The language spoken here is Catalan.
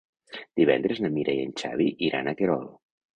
Divendres na Mira i en Xavi iran a Querol.